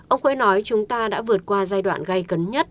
ông khoe nói chúng ta đã vượt qua giai đoạn gây cấn nhất